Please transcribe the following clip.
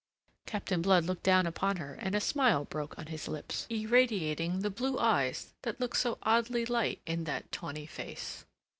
Captain Blood looked down upon her, and a smile broke on his lips, irradiating the blue eyes that looked so oddly light in that tawny face.